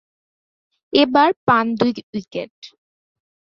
এবার পান দুই উইকেট।